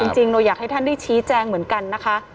จริงเราอยากให้ท่านได้ชี้แจงเหมือนกันนะคะ